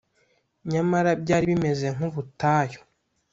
nyamara byari bimeze nk’ubutayu